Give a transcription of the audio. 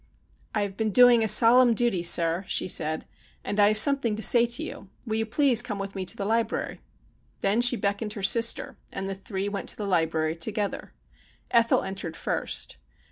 ' I have been doing a solemn duty, sir,' she said ;' and I have something to say to you. Will you please to come with me to the library ?' Then she beckoned her sister, and the tbree went to the library together. Ethel entered first.